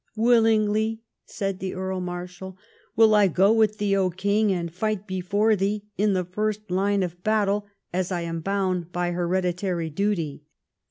" Willingly," said the Earl Marshal, " will I go with thee, King, and fight before thee in the first line of battle, as I am bound by hereditary duty."